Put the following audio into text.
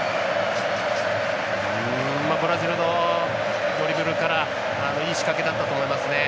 ブラジルのドリブルからいい仕掛けだったと思いますね。